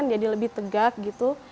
jadi lebih tegak gitu